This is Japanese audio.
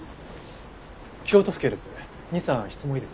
京都府警です。